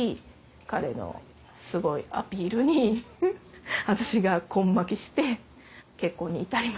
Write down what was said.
彼のすごいアピールに私が根負けして結婚に至りました。